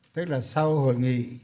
tức là sau hội nghị